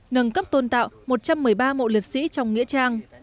nâng cấp tôn tạo một trăm một mươi ba mộ liệt sĩ trong nghĩa trang